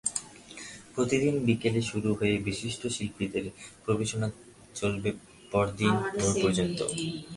প্রতিদিন বিকেলে শুরু হয়ে বিশিষ্ট শিল্পীদের পরিবেশনা চলবে পরদিন ভোর পর্যন্ত।